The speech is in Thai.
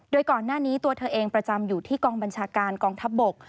โดยก่อนหน้านี้ตัวเธอเองประจำอยู่ที่กองบัญชาการกองทัพบก